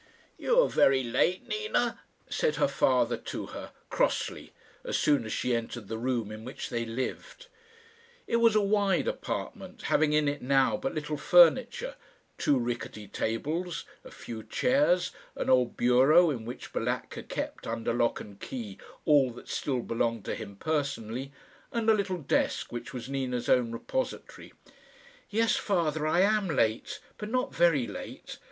"You are very late, Nina," said her father to her, crossly, as soon as she entered the room in which they lived. It was a wide apartment, having in it now but little furniture two rickety tables, a few chairs, an old bureau in which Balatka kept, under lock and key, all that still belonged to him personally, and a little desk, which was Nina's own repository. "Yes, father, I am late; but not very late.